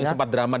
yang sempat drama